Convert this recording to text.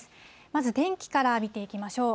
まず天気から見ていきましょう。